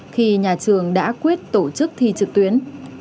khi nhà trường đã quyết tổ chức thi trực tuyến